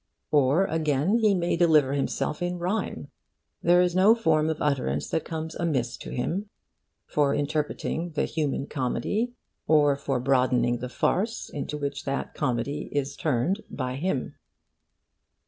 Or again, he may deliver himself in rhyme. There is no form of utterance that comes amiss to him for interpreting the human comedy, or for broadening the farce into which that comedy is turned by him.